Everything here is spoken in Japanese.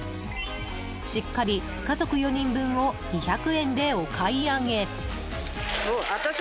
しっかり家族４人分を２００円でお買い上げ。